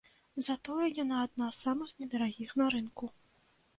Затое яна адна з самых недарагіх на рынку.